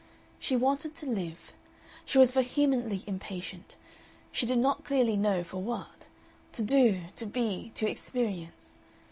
She wanted to live. She was vehemently impatient she did not clearly know for what to do, to be, to experience.